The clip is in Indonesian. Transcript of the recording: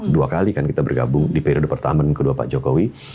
dua kali kan kita bergabung di periode pertama dan kedua pak jokowi